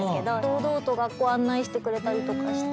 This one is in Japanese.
堂々と学校案内してくれたりとかして。